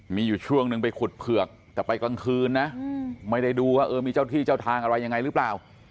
มีอยู่ช่วงนึงไปขุดเผือกแต่ไปกลางคืนนะไม่ได้ดูว่าเออมีเจ้าที่เจ้าทางอะไรยังไงหรือเปล่า